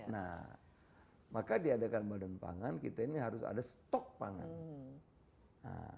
nah maka diadakan badan pangan kita ini harus ada stok pangan